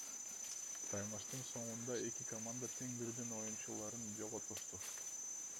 Таймаштын соңунда эки команда тең бирден оюнчуларын жоготушту.